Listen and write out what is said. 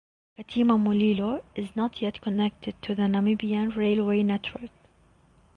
Katima Mulilo is not yet connected to the Namibian railway network.